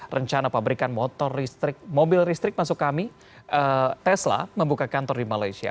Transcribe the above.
rencana pabrikan mobil listrik tesla membuka kantor di malaysia